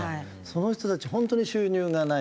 その人たち本当に収入がない。